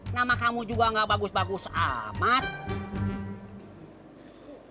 nama kamu juga gak bagus bagus amat